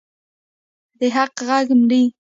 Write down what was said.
د حق غږ مري؟